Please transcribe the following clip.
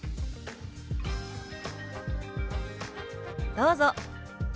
どうぞ。